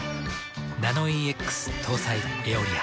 ナノイーＸ搭載「エオリア」。